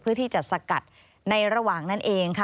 เพื่อที่จะสกัดในระหว่างนั้นเองค่ะ